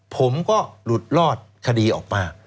ผมก็หลุดรอดคดีออกมา